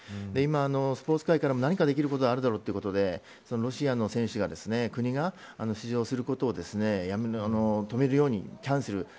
今、スポーツ界からも何かできることがあるだろうということでロシアの選手や国が出場することを止めるようにキャンセル。